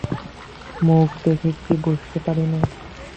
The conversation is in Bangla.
মুখ দেখে কি বুঝতে পারি নে?